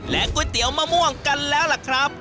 ก๋วยเตี๋ยวมะม่วงกันแล้วล่ะครับ